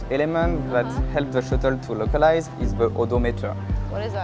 elemen yang membantu kapal untuk berlokasi adalah odometer